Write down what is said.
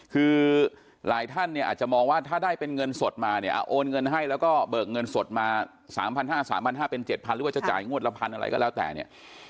คือหลายท่านเนี่ยอาจจะมองว่าถ้าได้เป็นเงินสดมาเนี่ยโอนเงินให้แล้วก็เบิกเงินสดมา๓๕๐๐๓๕๐๐เป็น๗๐๐หรือว่าจะจ่ายงวดละพันอะไรก็แล้วแต่เนี่ย